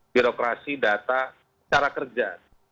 birokrasi data cara kerja